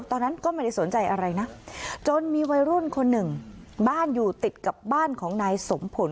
ตอนนั้นก็ไม่ได้สนใจอะไรนะจนมีวัยรุ่นคนหนึ่งบ้านอยู่ติดกับบ้านของนายสมผล